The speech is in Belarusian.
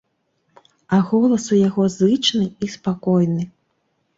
А голас у яго зычны і спакойны.